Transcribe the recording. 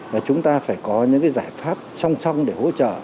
là chúng ta phải có những cái giải pháp song song để hỗ trợ